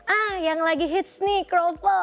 ah yang lagi hits nih kroffel